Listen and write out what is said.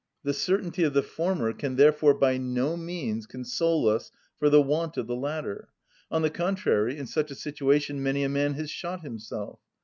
The certainty of the former can therefore by no means console us for the want of the latter; on the contrary, in such a situation many a man has shot himself.